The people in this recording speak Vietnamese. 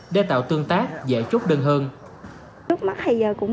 để tạo tương tác dễ chốt đơn hơn